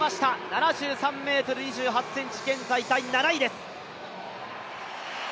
７３ｍ２８ｃｍ、現在第７位です。